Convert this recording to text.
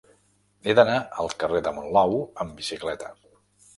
He d'anar al carrer de Monlau amb bicicleta.